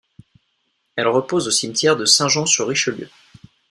Elle repose au cimetière de Saint-Jean-sur-Richelieu.